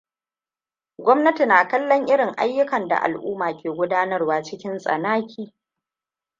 Gwamnati na kallon irin ayyukan da al'uma ke gudanarwa cikin tsanaki.